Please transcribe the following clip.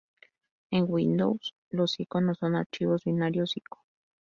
En Windows, los iconos son archivos binarios ".ico".